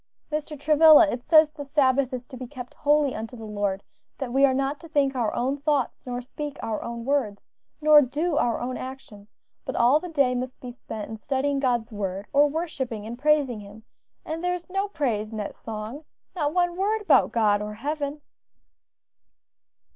"Mr. Travilla, it says the Sabbath is to be kept holy unto the Lord; that we are not to think our own thoughts, nor speak our own words, nor do our own actions; but all the day must be spent in studying God's word, or worshipping and praising Him; and there is no praise in that song; not one word about God or heaven."